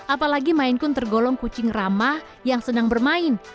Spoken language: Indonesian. apalagi mainkun tergolong kucing ramah yang sedang bermain